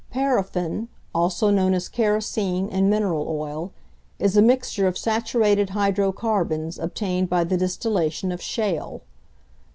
=Paraffin=, also known as kerosene and mineral oil, is a mixture of saturated hydrocarbons obtained by the distillation of shale.